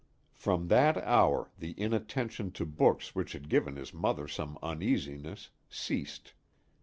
From that hour the inattention to books which had given his mother some uneasiness, ceased.